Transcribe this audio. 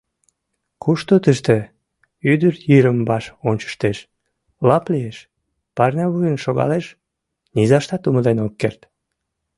— Кушто тыште? — ӱдыр йырым-ваш ончыштеш, лап лиеш, парнявуйын шогалеш — низаштат умылен ок керт.